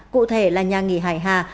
cụ thể là nhà nghỉ hải hà